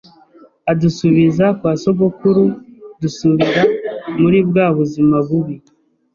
adusubiza kwa sogokuru dusubira muri bwa buzima bubi